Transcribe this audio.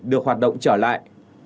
được hoạt động trở lại